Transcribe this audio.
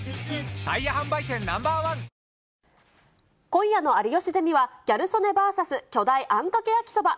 今夜の有吉ゼミは、ギャル曽根バーサス巨大あんかけ焼きそば。